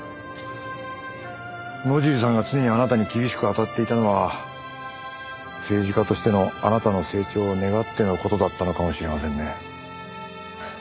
野尻さんが常にあなたに厳しく当たっていたのは政治家としてのあなたの成長を願っての事だったのかもしれませんね。